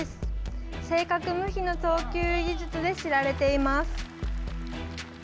正確無比の投球技術で知られています。